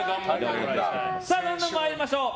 どんどん参りましょう。